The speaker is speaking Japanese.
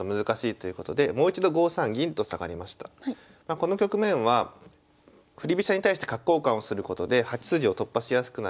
この局面は振り飛車に対して角交換をすることで８筋を突破しやすくなる。